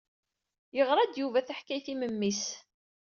Yeɣra-d Yuba taḥkayt i memmi-s.